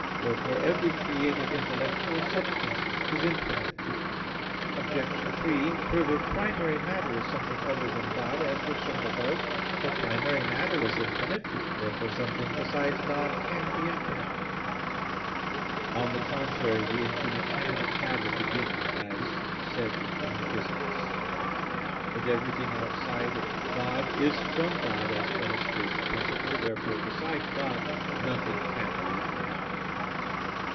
Therefore every created intellectual substance is infinite. Obj. 3: Further, primary matter is something other than God, as was shown above (Q. 3, A. 8). But primary matter is infinite. Therefore something besides God can be infinite. On the contrary, The infinite cannot have a beginning, as said in Phys. iii. But everything outside God is from God as from its first principle. Therefore besides God nothing can be infinite.